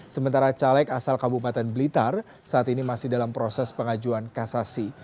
sementara caleg asal kabupaten blitar saat ini masih dalam proses pengajuan kasasi